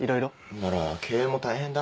なら経営も大変だ。